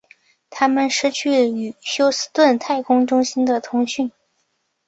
他们失去与休斯顿太空中心的通讯。